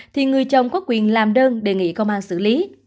thì người chồng có quyền làm đơn đề nghị công an xử lý